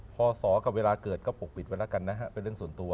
พศกับเวลาเกิดก็ปกปิดไว้แล้วกันนะฮะเป็นเรื่องส่วนตัว